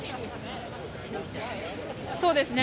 そうですね。